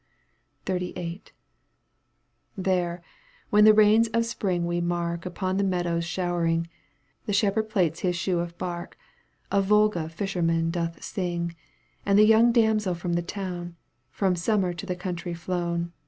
XXXVIII. There, when the rains of spring we mark Upon the meadows showering. The shepherd plaits his shoe of bark,^^ Of Volga fishermen doth sing. And the young damsel from the town, For summer to the country flown.